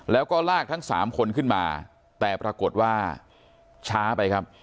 แล้วก็ลากทั้งสามคนขึ้นมาแต่ปรากฏว่าช้าไปครับ